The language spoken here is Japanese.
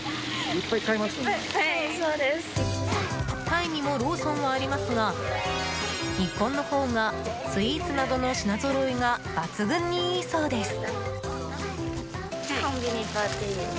タイにもローソンはありますが日本の方がスイーツなどの品ぞろえが抜群にいいそうです。